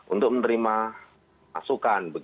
untuk menerima masukan